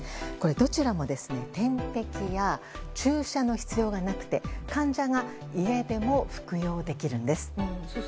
どちらも点滴や注射の必要がなくて患者が家でも服用できるんです。